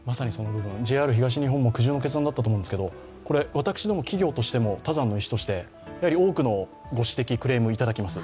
ＪＲ東日本も苦渋の決断だったと思うんですけれども、私ども、企業としても他山の石として多くのご指摘、クレームいただきます。